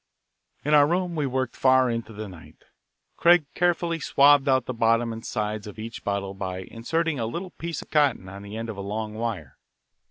In our room we worked far into the night. Craig carefully swabbed out the bottom and sides of each bottle by inserting a little piece of cotton on the end of a long wire.